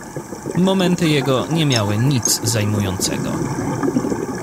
"Urzędowe dane notują podobnych wypadków tysiące..."